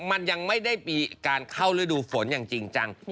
มันยังไม่ได้มีการเข้าฤดูฝนอย่างจริงจัง